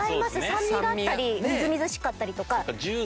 酸味があったりみずみずしかったりとか。